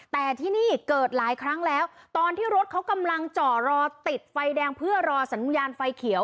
แต่ที่นี่เกิดหลายครั้งแล้วตอนที่รถเขากำลังจ่อรอติดไฟแดงเพื่อรอสัญญาณไฟเขียว